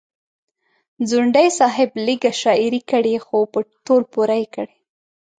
ځونډي صاحب لیږه شاعري کړې خو په تول پوره یې کړې.